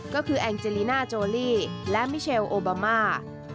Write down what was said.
ก็คือแองเจลิน่าโจลี่และมิเชลโอบามา